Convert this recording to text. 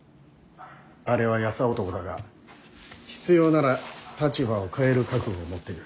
あれは優男だが必要なら立場を変える覚悟を持ってる。